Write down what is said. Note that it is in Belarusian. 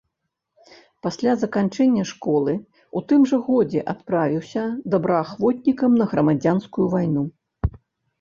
Пасля заканчэння школы ў тым жа годзе адправіўся добраахвотнікам на грамадзянскую вайну.